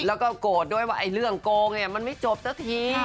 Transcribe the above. แล้วก็โกรธด้วยว่าไอ้เรื่องโกงเนี่ยมันไม่จบสักที